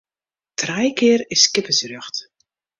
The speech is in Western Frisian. Trije kear is skippersrjocht.